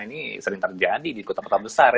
ini sering terjadi di kota kota besar ya